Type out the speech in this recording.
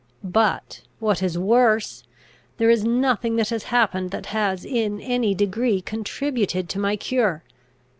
But, what is worse, there is nothing that has happened that has in any degree contributed to my cure.